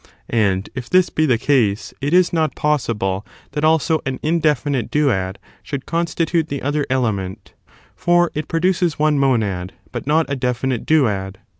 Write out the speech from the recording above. And, if this be the case, it is not possible that also an indefinite duad should constitute tho other element, for it produces one monad, but not a definite duad.